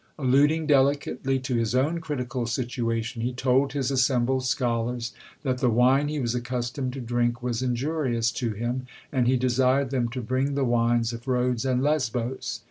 Alluding delicately to his own critical situation, he told his assembled scholars that the wine he was accustomed to drink was injurious to him, and he desired them to bring the wines of Rhodes and Lesbos.